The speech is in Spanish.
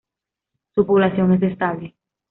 Su población es estable.